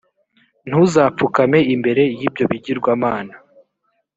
ntuzapfukame imbere y’ibyo bigirwamana,